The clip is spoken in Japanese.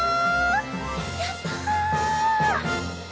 やった！